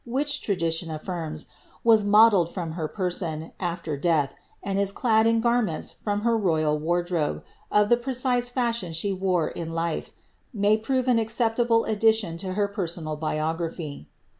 which, iradiiion affirms, was modeled from her person, afier dealh, and is clad in garments from her royal wardrobe, of ihe precise fashion she wore in life, may prore an acceptable aildiijon to her personal biography.